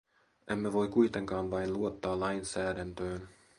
Emme voi kuitenkaan vain luottaa lainsäädäntöön.